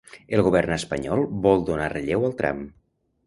El govern espanyol vol donar relleu al tram.